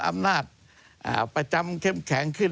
อำนาจประจำเข้มแข็งขึ้น